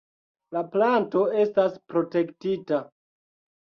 La planto estas protektita.